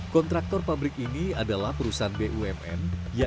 kontraktor pabrik ini adalah perusahaan bumn